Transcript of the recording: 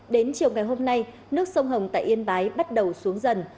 đến chiều ngày hôm nay nước sông hồng tại yên bái bắt đầu xuống dần